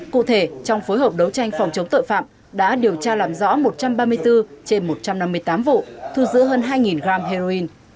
cụ thể trong phối hợp đấu tranh phòng chống tội phạm đã điều tra làm rõ một trăm ba mươi bốn trên một trăm năm mươi tám vụ thu giữ hơn hai gram heroin